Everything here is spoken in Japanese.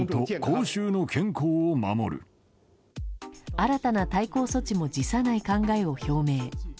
新たな対抗措置も辞さない考えを表明。